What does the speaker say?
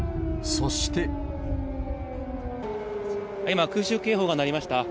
今、空襲警報が鳴りました。